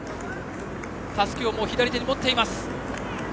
たすきを左手に持っています。